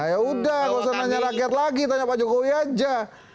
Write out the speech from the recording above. ya udah gak usah nanya rakyat lagi tanya pak jokowi aja